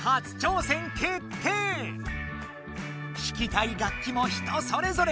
ひきたい楽器も人それぞれ。